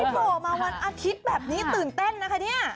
โผล่มาวันอาทิตย์แบบนี้ตื่นเต้นนะคะเนี่ย